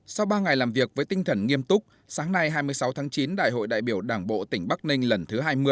sau ba ngày làm việc với tinh thần nghiêm túc sáng nay hai mươi sáu tháng chín đại hội đại biểu đảng bộ tỉnh bắc ninh lần thứ hai mươi